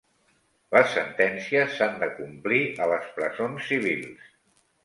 Les sentències s'han de complir a les presons civils.